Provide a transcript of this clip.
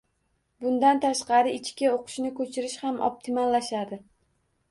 Bundan tashqari, ichki o‘qishni ko‘chirish ham optimallashadi.